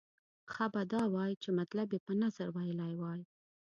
ښه به دا وای چې مطلب یې په نثر ویلی وای.